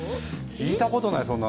聞いたことない、そんな話。